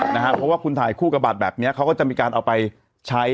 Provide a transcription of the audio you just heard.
เพราะว่าคุณถ่ายคู่กับบัตรแบบนี้เขาก็จะมีการเอาไปใช้